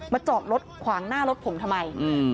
จอดรถขวางหน้ารถผมทำไม